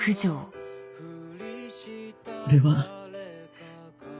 俺は。